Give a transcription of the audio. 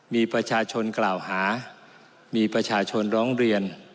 มีประชาชนกล่าวหามีประชาชนร้องเรียน